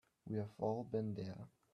We've all been there.